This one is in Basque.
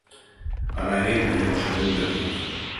Hala ere, nahiago zuen Belgika.